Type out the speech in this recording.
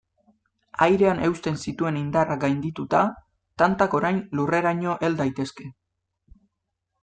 Airean eusten zituen indarra gaindituta, tantak orain lurreraino hel daitezke.